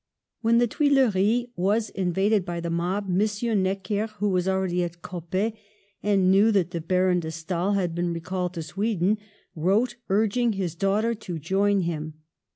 When the Tuileries was invaded by the mob, M. Necker, who was already at Coppet, and knew that the Baron de Stael had been recalled to Sweden, wrote urging his daughter to join him.